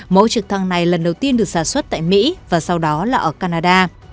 mẫu trực thăng này lần đầu tiên được sản xuất tại mỹ và sau đó là ở canada